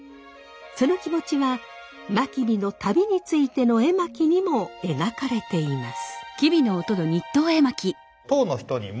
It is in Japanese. その気持ちは真備の旅についての絵巻にも描かれています。